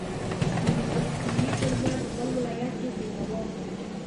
نو د پلخمري پر ځای به بل ولایت کې تیروم.